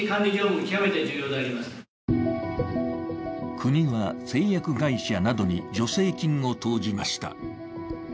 国は製薬会社などに助成金を投じました。